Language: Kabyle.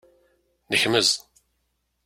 Nekmez.